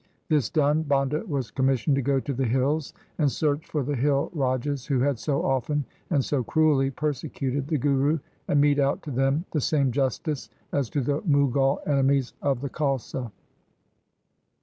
This done Banda was commissioned to go to the hills and search for the hill Rajas who had so often and so cruelly persecuted the Guru, and mete out to them the same justice as to the Mughal enemies of the Khalsa.